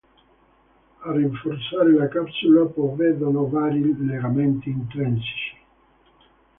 A rinforzare la capsula provvedono vari legamenti intrinseci.